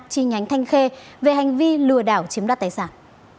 chi nhánh thanh khê về hành vi lừa đảo chiếm đoạt tài sản